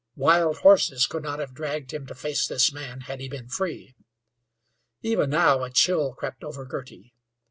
Wild horses could not have dragged him to face this man had he been free. Even now a chill crept over Girty.